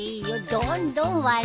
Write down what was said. どんどん笑って。